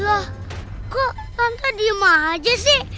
loh kok tante diem aja sih